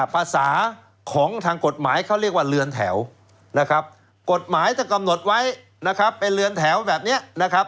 ภาษาของทางกฎหมายเขาเรียกว่าเรือนแถวนะครับกฎหมายจะกำหนดไว้นะครับเป็นเรือนแถวแบบนี้นะครับ